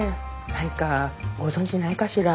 何かご存じないかしら？